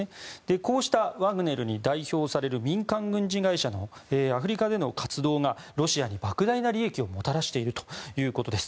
こうしたワグネルに代表される民間軍事会社のアフリカでの活動がロシアに莫大な利益をもたらしているということです。